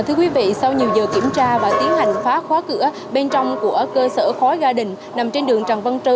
thưa quý vị sau nhiều giờ kiểm tra và tiến hành phá khóa cửa bên trong của cơ sở khói ga đình nằm trên đường tràng văn trứ của quận hai